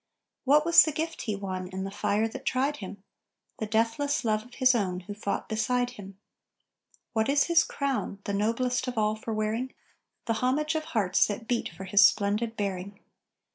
What was the gift he won, in the fire that tried him? The deathless love of his own, who fought beside him. What is his crown, the noblest of all for wearing? The homage of hearts that beat for his splendid bearing.